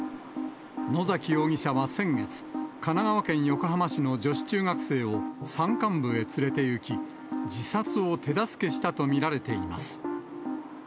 野崎容疑者は先月、神奈川県横浜市の女子中学生を山間部へ連れていき、自殺を手助けしたと見られています。